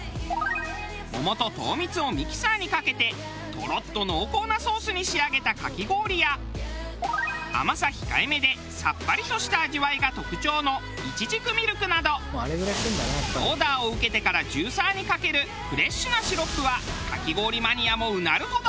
桃と糖蜜をミキサーにかけてトロッと濃厚なソースに仕上げたかき氷や甘さ控えめでさっぱりとした味わいが特徴のいちじくミルクなどオーダーを受けてからジューサーにかけるフレッシュなシロップはかき氷マニアもうなるほど。